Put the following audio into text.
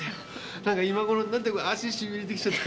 なんか今頃になって足しびれてきちゃった。